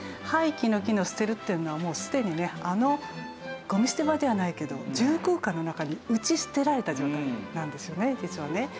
廃棄の棄の「棄てる」っていうのはもうすでにねあのゴミ捨て場ではないけど住空間の中に打ち棄てられた状態なんですよね実はね。